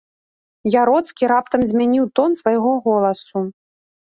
Яроцкі раптам змяніў тон свайго голасу.